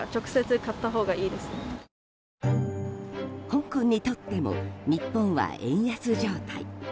香港にとっても日本は円安状態。